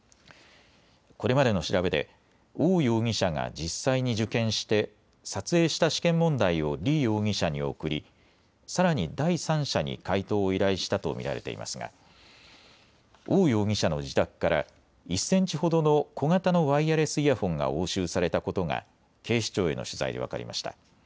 これまでの調べで王容疑者が実際に受験して撮影した試験問題を李容疑者に送りさらに第三者に解答を依頼したと見られていますが王容疑者の自宅から１センチほどの小型のワイヤレスイヤホンが押収されたことが警視庁への取材で分かりました。